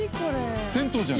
銭湯じゃん。